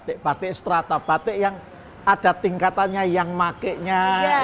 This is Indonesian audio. batik batik strata batik yang ada tingkatannya yang makenya